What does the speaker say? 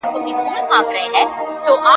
څوک سپېرې شونډي وتلي د چا ډکي پیمانې دي ,